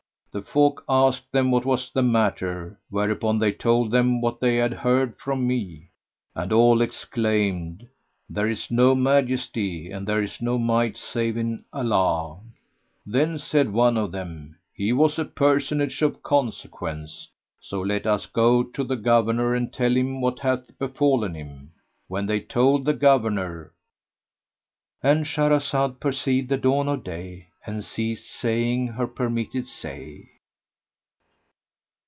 The folk asked them what was the matter, whereupon they told them what they had heard from me, and all exclaimed, "There is no Majesty and there is no Might save in Allah!" Then said one of them, "He was a personage of consequence; so let us go to the Governor and tell him what hath befallen him." When they told the Governor,—And Shahrazad perceived the dawn of day and ceased saying her permitted say.